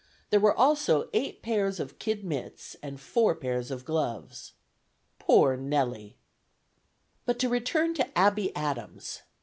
There were also eight pairs of kid mitts and four pairs of gloves." Poor Nelly! But to return to Abby Adams.